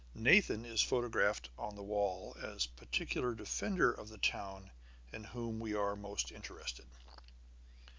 Nathan is photographed on the wall as the particular defender of the town in whom we are most interested.